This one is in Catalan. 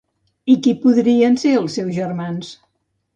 I qui podrien ser els seus germans?